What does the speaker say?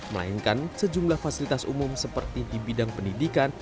melainkan sejumlah fasilitas umum seperti di bidang pendidikan